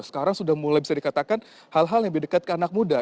sekarang sudah mulai bisa dikatakan hal hal yang lebih dekat ke anak muda